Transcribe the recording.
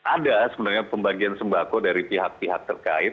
ada sebenarnya pembagian sembako dari pihak pihak terkait